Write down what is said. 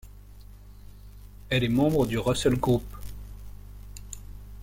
Elle est membre du Russell Group.